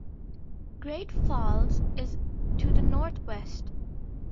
Great Falls is to the northwest.